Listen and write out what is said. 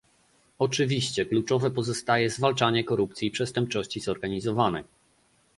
Oczywiście kluczowe pozostaje zwalczanie korupcji i przestępczości zorganizowanej